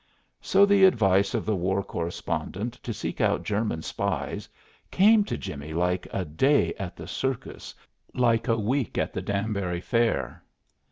So the advice of the war correspondent to seek out German spies came to Jimmie like a day at the circus, like a week at the Danbury Fair.